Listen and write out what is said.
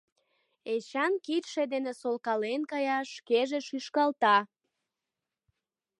Эчан кидше дене солкален кая, шкеже шӱшкалта.